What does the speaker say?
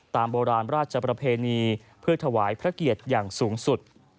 โบราณราชประเพณีเพื่อถวายพระเกียรติอย่างสูงสุด